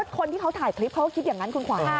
คนที่เขาถ่ายคลิปเขาก็คิดอย่างนั้นคุณขวัญ